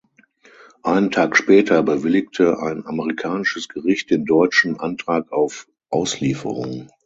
Einen Tag später bewilligte ein amerikanisches Gericht den deutschen Antrag auf Auslieferung.